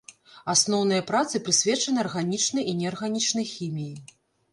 Асноўныя працы прысвечаны арганічнай і неарганічнай хіміі.